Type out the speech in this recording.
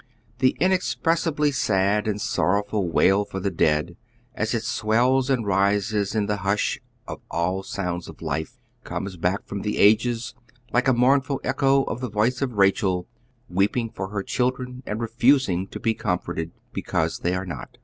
The inexpress ibly sad and sorrowful wail for the dead, as it swells and lises in the hush of all sounds of life, comes back from the ages like a mournful echo of the voice of Eachel " weeping for her children and refusing to be comforted, because they are not."